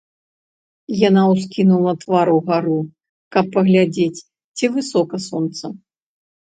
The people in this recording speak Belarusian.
Яна ўскінула твар угару, каб паглядзець, ці высока сонца.